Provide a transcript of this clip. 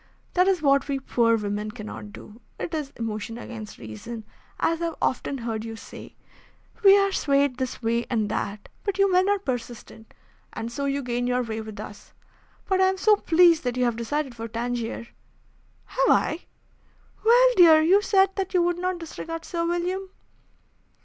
That is what we poor women cannot do. It is emotion against reason, as I have often heard you say. We are swayed this way and that, but you men are persistent, and so you gain your way with us. But I am so pleased that you have decided for Tangier." "Have I?" "Well, dear, you said that you would not disregard Sir William."